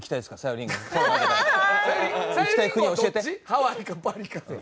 ハワイかパリかで。